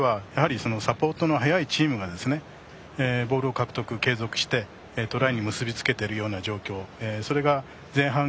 得点に関してはサポートの早いチームがボールを獲得、継続してトライに結び付けているような状況。